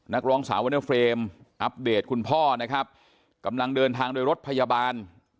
นักร้องสาววอเนอร์เฟรมอัปเดตคุณพ่อนะครับกำลังเดินทางโดยรถพยาบาล